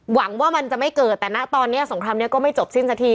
หวังว่ามันจะไม่เกิดแต่นะตอนนี้สงครามนี้ก็ไม่จบสิ้นสักที